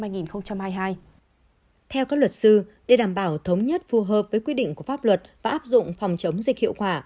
theo các luật sư để đảm bảo thống nhất phù hợp với quy định của pháp luật và áp dụng phòng chống dịch hiệu quả